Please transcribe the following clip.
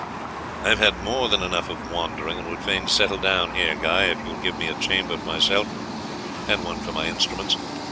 "I have had more than enough of wandering, and would fain settle down here, Guy, if you will give me a chamber for myself, and one for my instruments.